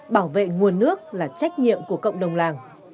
bảo vệ nguồn nước là trách nhiệm của cộng đồng làng